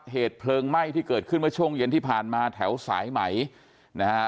เหตุเพลิงไหม้ที่เกิดขึ้นเมื่อช่วงเย็นที่ผ่านมาแถวสายไหมนะฮะ